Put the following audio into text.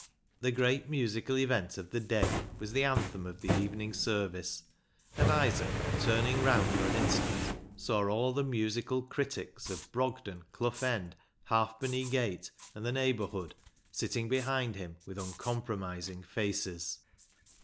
The great musical event of the day was the anthem of the evening service, and Isaac, turn ing round for an instant, saw all the musical critics of Brogden, Clough End, Halfpenny Gate, and the neighbourhood, sitting behind him with uncompromising faces.